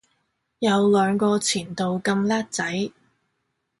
有兩個前度咁叻仔